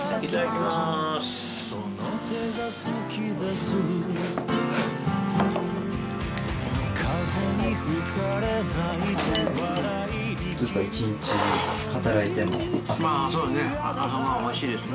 まあそうですね。